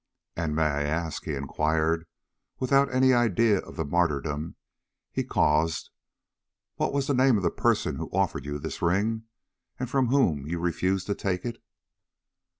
"And may I ask," he inquired, without any idea of the martyrdom he caused, "what was the name of the person who offered you this ring, and from whom you refused to take it?"